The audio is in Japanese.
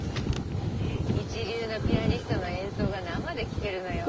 一流のピアニストの演奏が生で聴けるのよ。